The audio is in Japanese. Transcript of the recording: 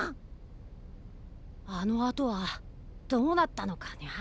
あのあとはどうなったのかニャ？